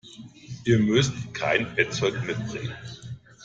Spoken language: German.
Ihr müsst kein Bettzeug mitbringen.